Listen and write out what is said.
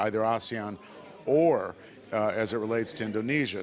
berdasarkan aspek asian atau indonesia